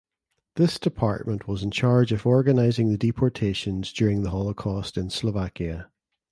This department was in charge of organizing the deportations during the Holocaust in Slovakia.